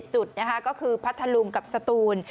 ๒๐จุดก็คือพัทธลุงกับสตูน